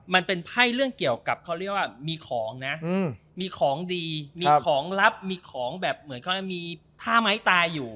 มันเป็นไพ่เรื่องเกี่ยวกับเขาเรียกว่ามีของนะมีของดีมีของลับมีของแบบเหมือนเขามีท่าไม้ตายอยู่